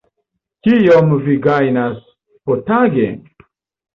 Kiom vi gajnas potage?